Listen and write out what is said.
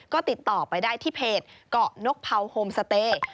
ก็ติดต่อไปได้ที่เพจเกาะนกเผาโฮมสเตย์